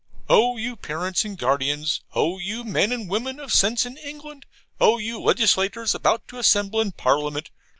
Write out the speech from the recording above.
O you parents and guardians! O you men and women of sense in England! O you legislators about to assemble in Parliament!